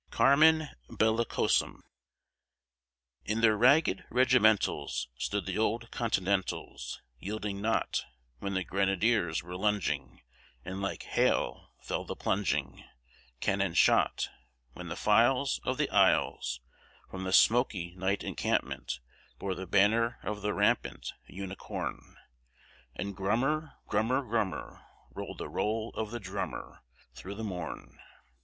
CARMEN BELLICOSUM In their ragged regimentals Stood the old Continentals, Yielding not, When the grenadiers were lunging, And like hail fell the plunging Cannon shot; When the files Of the isles, From the smoky night encampment, bore the banner of the rampant Unicorn, And grummer, grummer, grummer, rolled the roll of the drummer, Through the morn!